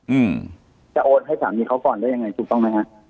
อืมจะโอนให้สามีเขาก่อนได้ยังไงถูกต้องไหมฮะ